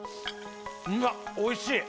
うわっおいしい